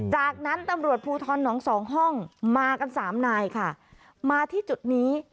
จากนั้นตำรวจภูทรน้องสองห้องมากันสามนายค่ะมาที่จุดนี้